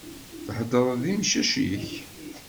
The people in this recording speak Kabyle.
Theddreḍ d imcac-ik?